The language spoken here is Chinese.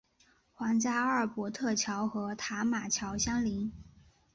皇家阿尔伯特桥和塔马桥相邻。